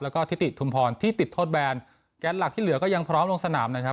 แล้วก็ทิติชุมพรที่ติดโทษแบนแกนหลักที่เหลือก็ยังพร้อมลงสนามนะครับ